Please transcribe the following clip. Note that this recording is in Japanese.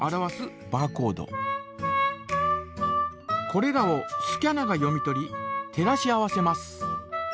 これらをスキャナが読み取り照らし合わせます。